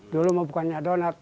dulu emak bukannya donat